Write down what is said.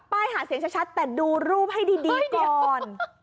หาเสียงชัดแต่ดูรูปให้ดีก่อน